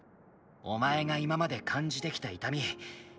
お前が今まで感じてきた痛み。